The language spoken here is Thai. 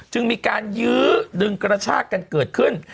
จึงมีการยื้อดึงกระชากกันเกิดขึ้น